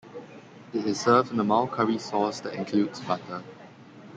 It is served in a mild curry sauce that includes butter.